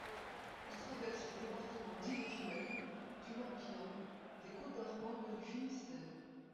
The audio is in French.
Il traverse les départements d'Ille-et-Vilaine, du Morbihan, des Côtes-d'Armor et du Finistère.